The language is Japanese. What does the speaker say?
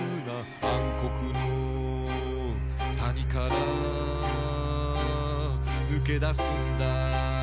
「暗黒の谷から脱けだすんだ」